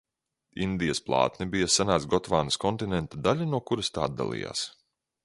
Indijas plātne bija senās Gotvānas kontinenta daļa, no kuras tā atdalījās.